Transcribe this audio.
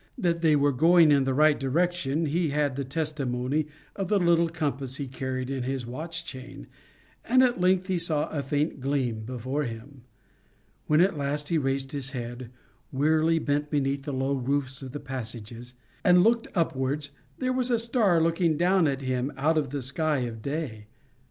That they were going in the right direction, he had the testimony of the little compass he carried at his watch chain, and at length he saw a faint gleam before him. When at last he raised his head, wearily bent beneath the low roofs of the passages, and looked upwards, there was a star looking down at him out of the sky of day!